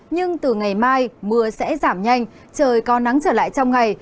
nhưng từ ngày mai mưa sẽ giảm nhanh trời có nắng trở lại trong ngày